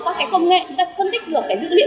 các công nghệ chúng ta phân tích được dữ liệu